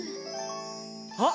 あっ！